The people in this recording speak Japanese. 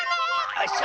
よいしょ！